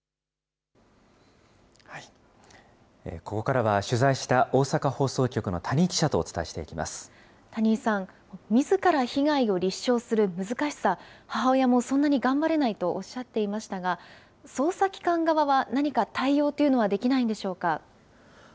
ここからは取材した大阪放送局の谷井記者とお伝えしていきま谷井さん、みずから被害を立証する難しさ、母親もそんなに頑張れないとおっしゃっていましたが、捜査機関側は何か対応というのはできないんでしょうか。